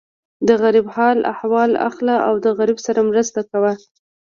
د غریب حال احوال اخله او د غریب سره مرسته کوه.